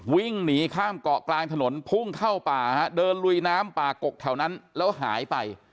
วิ่งหนีข้ามเกาะกลางถนนพุ่งเข้าป่าฮะเดินลุยน้ำป่ากกแถวนั้นแล้วหายไป